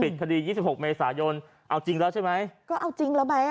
คดียี่สิบหกเมษายนเอาจริงแล้วใช่ไหมก็เอาจริงแล้วไหมอ่ะ